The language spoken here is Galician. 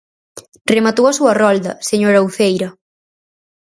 Rematou a súa rolda, señora Uceira.